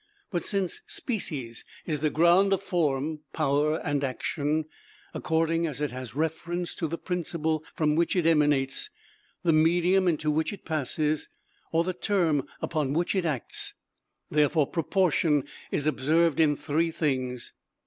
But since species is the ground of form, power, and action, according as it has reference to the principle from which it emanates, the medium into which it passes, or the term upon which it acts, therefore proportion is observed in three things.